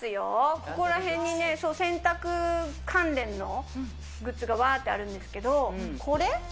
ここら辺にね、洗濯関連のグッズがわーっとあるんですが、これ？